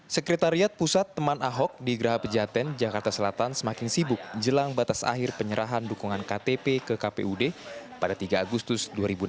sekretariat pusat teman ahok di geraha pejaten jakarta selatan semakin sibuk jelang batas akhir penyerahan dukungan ktp ke kpud pada tiga agustus dua ribu enam belas